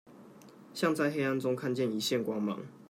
像在黑暗中看見一線光芒